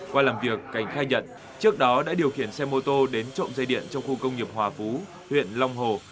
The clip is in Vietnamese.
qua làm việc cảnh khai nhận trước đó đã điều khiển xe mô tô đến trộm dây điện trong khu công nghiệp hòa phú huyện long hồ